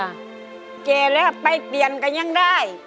แก่แล้วไปเปลี่ยนก็ยังได้